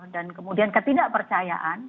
dan kemudian ketidakpercayaan